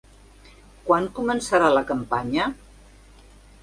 Quan començarà la campanya?